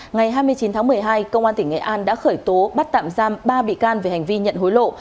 ngày hai mươi chín tháng một mươi hai công an tỉnh nghệ an đã khởi tố bắt tạm giam ba bị can về hành vi nhận hối lộ